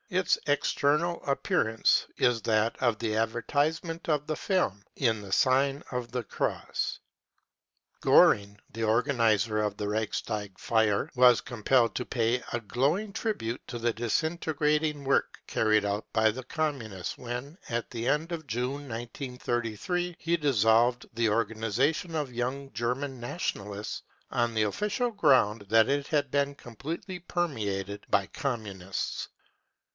Its external appear ance is that of an advertisement of the film In the Sign of the Cross. Goering, the organiser of the Reichstag fire, was com pelled to pay a glowing tribute to the " disintegrating work " carried out by the Communists when, at the end of June 1933, he dissolved the organisation of young German Nationalists on the official ground that it had been com pletely permeated by Communists.